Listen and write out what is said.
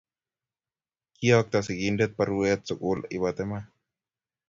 Kiyookto sikinte baruet sukul ibate mait.